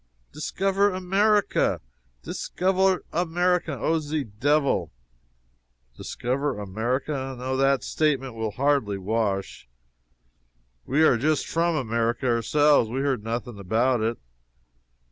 "Discover America! discover America, Oh, ze devil!" "Discover America. No that statement will hardly wash. We are just from America ourselves. We heard nothing about it.